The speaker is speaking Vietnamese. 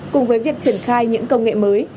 cùng với việc triển khai những công nghệ mới